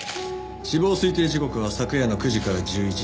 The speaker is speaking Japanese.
死亡推定時刻は昨夜の９時から１１時。